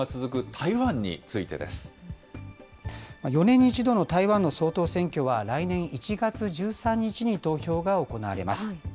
台湾について４年に１度の台湾の総統選挙は、来年１月１３日に投票が行われます。